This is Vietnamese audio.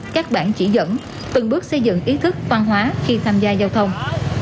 các bản chỉ dẫn từng bước xây dựng ý thức văn hóa khi tham gia giao thông